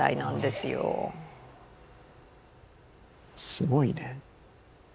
すごいね。